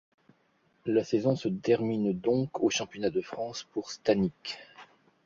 La saison se termine donc aux championnats de France pour Stanick.